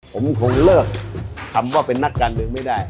ผมคงเลิกคำว่าเป็นนักการเมืองไม่ได้